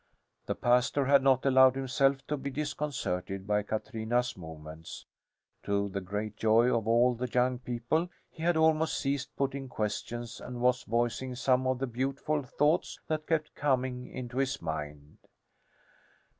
The pastor had not allowed himself to be disconcerted by Katrina's movements. To the great joy of all the young people, he had almost ceased putting questions and was voicing some of the beautiful thoughts that kept coming into his mind.